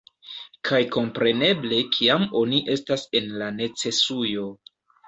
Kaj kompreneble kiam oni estas en la necesujo